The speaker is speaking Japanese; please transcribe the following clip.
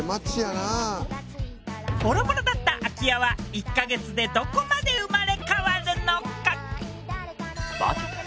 ボロボロだった空き家は１ヵ月でどこまで生まれ変わるのか！？